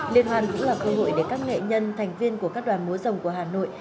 liên hoan cũng là cơ hội để các nghệ nhân thành viên của các đoàn múa dòng của hà nội